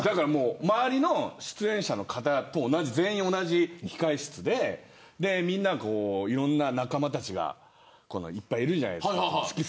周りの出演者の方と全員同じ控え室でいろんな仲間たちがいっぱいいるじゃないですか。